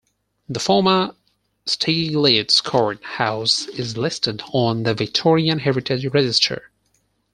The former Steiglitz Court House is listed on the Victorian Heritage Register.